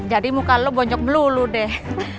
jadi muka lu bonyok melulu deh